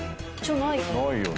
ないよね。